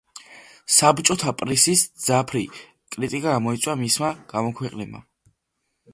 საბჭოთა პრესის მძაფრი კრიტიკა გამოიწვია მისმა გამოქვეყნებამ.